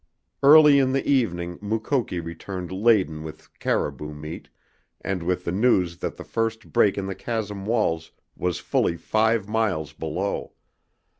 Early in the evening Mukoki returned laden with caribou meat, and with the news that the first break in the chasm walls was fully five miles below.